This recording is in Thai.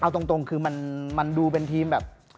เอาตรงคือมันดูเป็นทีมแบบ